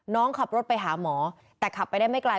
น้องขับรถไปหาหมอแต่ขับไปได้ไม่ไกล